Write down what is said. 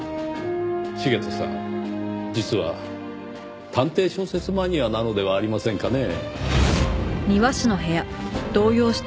茂斗さん実は探偵小説マニアなのではありませんかねぇ。